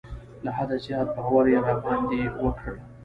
له حده زیات باور یې را باندې وکړ.